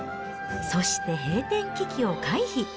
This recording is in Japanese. そして、閉店危機を回避。